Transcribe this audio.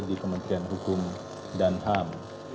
di kementerian hukum dan ham